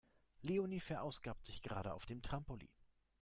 Leonie verausgabt sich gerade auf dem Trampolin.